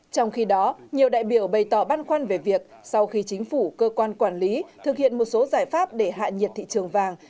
trong khi đó nhiều đại biểu bày tỏ băn khoăn về việc sau khi chính phủ cơ quan quản lý thực hiện một số giải pháp để hạ nhiệt thị trường vàng